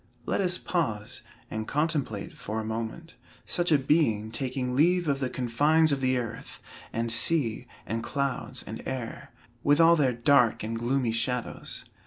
Let us pause, and contemplate, for a moment, such a being taking leave of the confines of the earth, and sea, and clouds, and air, with all their dark and gloomy shadows.